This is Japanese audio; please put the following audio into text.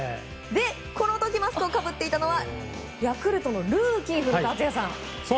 この時マスクをかぶっていたのはヤクルトのルーキー古田敦也さん。